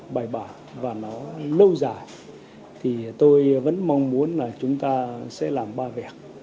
bài bản và nó lâu dài thì tôi vẫn mong muốn là chúng ta sẽ làm ba việc